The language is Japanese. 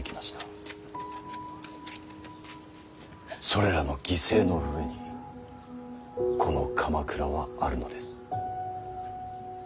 それらの犠牲の上にこの鎌倉はあるのです。